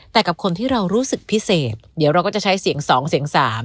แต่กับคนที่เรารู้สึกพิเศษเดี๋ยวเราก็จะใช้เสียง๒เสียง๓